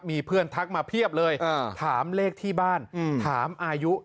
มีเพื่อนทักมาเพียบเลยถามเลขที่บ้านถามอายุ